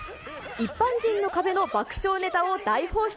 一般人の壁の爆笑ネタを大放出。